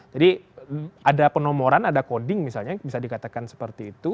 ada penomoran ada coding misalnya bisa dikatakan seperti itu